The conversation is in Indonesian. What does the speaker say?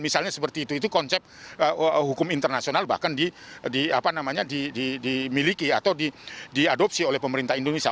misalnya seperti itu itu konsep hukum internasional bahkan dimiliki atau diadopsi oleh pemerintah indonesia